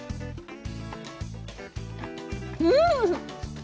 うん！